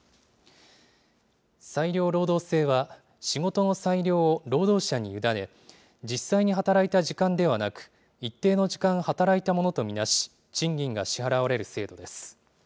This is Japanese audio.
裁量労働制は、仕事の裁量を労働者に委ね、実際に働いた時間ではなく、一定の時間働いたものと見なし、賃金が支払われる制度です。